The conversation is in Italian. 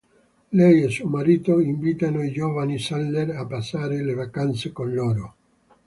Lei e suo marito invitano i giovani Sadler a passare le vacanze con loro.